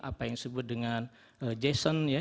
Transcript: apa yang disebut dengan jason ya